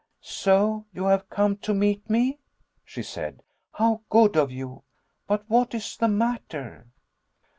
"So you have come to meet me," she said; "how good of you. But what is the matter?"